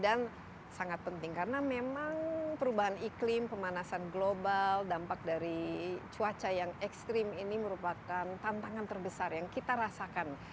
dan sangat penting karena memang perubahan iklim pemanasan global dampak dari cuaca yang ekstrim ini merupakan tantangan terbesar yang kita rasakan